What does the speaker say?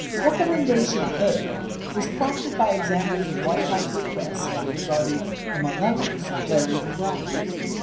Recommendation (a) was prompted by examples of 'White House re quests made regarding, among others, Larry O'Brien.